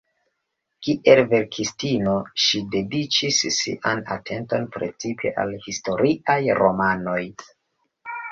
Kiel verkistino ŝi dediĉis sian atenton precipe al historiaj romanoj.